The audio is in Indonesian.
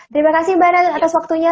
terima kasih mbak nana atas waktunya